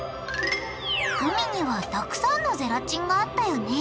グミにはたくさんのゼラチンがあったよね。